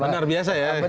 benar biasa ya